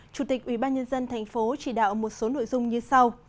chủ tịch ubnd tp chỉ đạo một số nội dung như sau